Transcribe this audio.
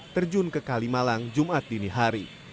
terjun ke kalimalang jumat dini hari